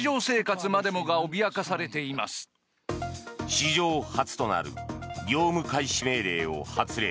史上初となる業務開始命令を発令。